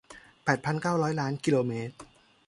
แปดพันเก้าร้อยล้านกิโลเมตร